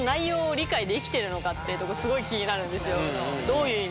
いうとこすごい気になるんですよ。